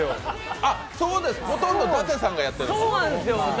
あ、そうですか、ほとんど舘様がやってるんだ。